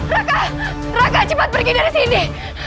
raka raga cepat pergi dari sini